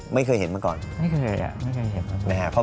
ไม่เคยเห็นเมื่อก่อนไม่เคยไม่เคยเห็น